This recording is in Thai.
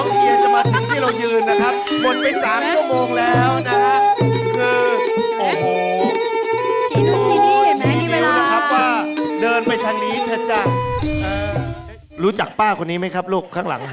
เที่ยงวันนะครับเราจะได้กินข้าวกันนะ